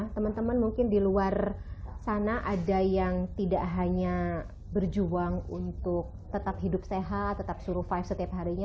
teman teman mungkin di luar sana ada yang tidak hanya berjuang untuk tetap hidup sehat tetap survive setiap harinya